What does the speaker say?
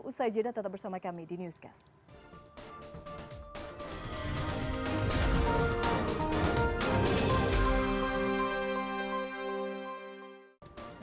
usai jeda tetap bersama kami di newscast